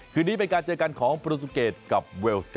คืนนี้เป็นการเจอกันของโปรตูเกตกับเวลส์